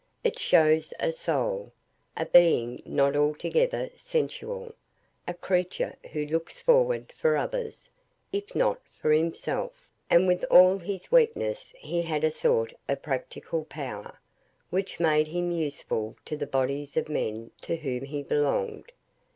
It shows a soul, a being not altogether sensual; a creature who looks forward for others, if not for himself. And with all his weakness he had a sort of practical power, which made him useful to the bodies of men to whom he belonged.